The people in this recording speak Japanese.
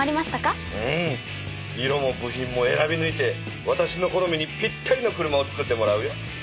色も部品も選びぬいてわたしの好みにぴったりの車をつくってもらうよ。